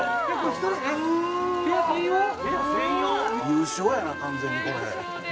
優勝やな完全にこれ。